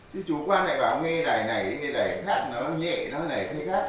chứ chủ quan lại bảo nghe đài này nghe đài khác nó nhẹ nó này thế khác